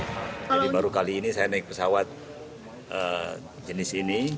jadi baru kali ini saya naik pesawat jenis ini